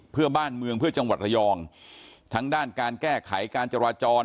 เพื่อบ้านเมืองเพื่อจังหวัดระยองทั้งด้านการแก้ไขการจราจร